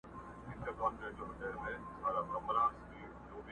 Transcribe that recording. مُلا عزیز دی ټولو ته ګران دی؛